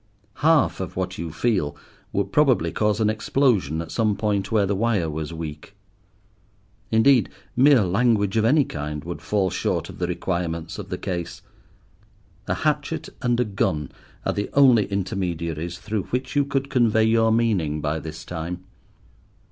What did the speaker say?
Half of what you feel would probably cause an explosion at some point where the wire was weak. Indeed, mere language of any kind would fall short of the requirements of the case. A hatchet and a gun are the only intermediaries through which you could convey your meaning by this time.